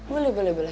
boleh boleh boleh